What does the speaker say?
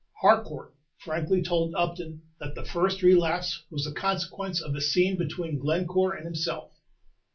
Harcourt frankly told Upton that the first relapse was the consequence of a scene between Glencore and himself.